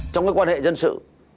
trong quan hệ dân sự